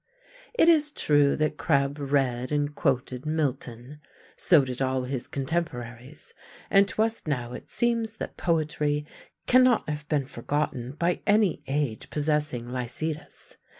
It is true that Crabbe read and quoted Milton; so did all his contemporaries; and to us now it seems that poetry cannot have been forgotten by any age possessing Lycidas.